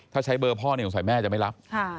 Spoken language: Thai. ถ้าใช้เบอร์พ่อเนี่ยคงสามารถแม่จะไม่รับ